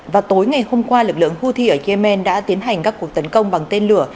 và tối ngày hôm qua lực lượng houthi ở yemen đã tiến hành các cuộc tấn công bằng tên lửa